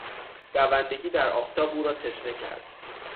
دوندگی در آفتاب او را تشنه کرد.